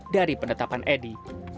dari penetapan edi